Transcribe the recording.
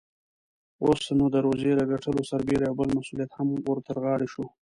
اوس، نو د روزۍ له ګټلو سربېره يو بل مسئوليت هم ور ترغاړې شو.